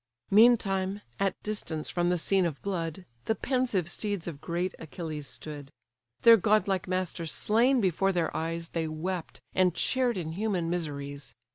Meantime, at distance from the scene of blood, The pensive steeds of great Achilles stood: Their godlike master slain before their eyes, They wept, and shared in human miseries.